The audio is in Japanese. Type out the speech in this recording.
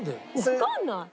わかんない！